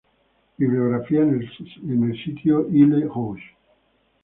Bibliografía en el sitio Ile Rouge